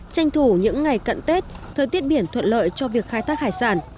tranh thủ những ngày cận tết thời tiết biển thuận lợi cho việc khai thác hải sản